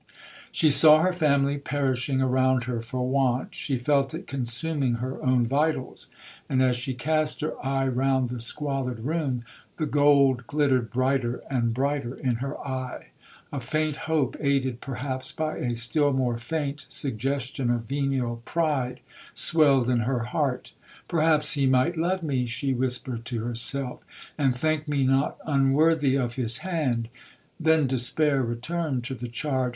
She saw her family perishing around her for want,—she felt it consuming her own vitals,—and as she cast her eye round the squalid room, the gold glittered brighter and brighter in her eye. A faint hope, aided perhaps by a still more faint suggestion of venial pride, swelled in her heart. 'Perhaps he might love me,' she whispered to herself, 'and think me not unworthy of his hand.' Then despair returned to the charge.